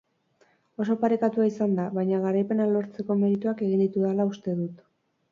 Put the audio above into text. Oso parekatua izan da, baina garaipena lortzeko merituak egin ditudala uste dut.